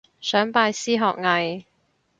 想拜師學藝